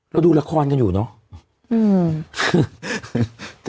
ดูละครกันอยู่เนอะ